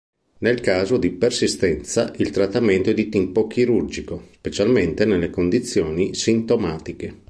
Nel caso di persistenza il trattamento è di tipo chirurgico, specialmente nelle condizioni sintomatiche.